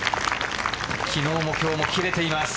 昨日も今日も切れています。